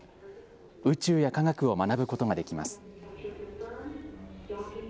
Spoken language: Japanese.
宇宙や科学を学ぶことができます。